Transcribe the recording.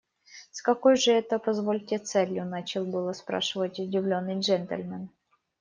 С какой же это, позвольте, целью? – начал было спрашивать удивленный джентльмен.